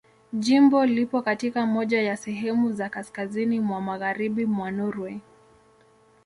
Jimbo lipo katika moja ya sehemu za kaskazini mwa Magharibi mwa Norwei.